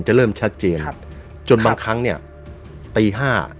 เริ่มชัดเจนครับจนบางครั้งเนี่ยตีห้า